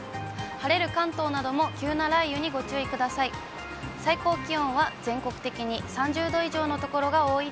晴れる関東なども急な雷雨にご注意ください。